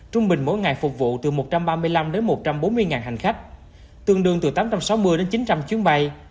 trung bình mỗi ngày phục vụ từ một trăm ba mươi năm đến một trăm bốn mươi hành khách tương đương từ tám trăm sáu mươi đến chín trăm linh chuyến bay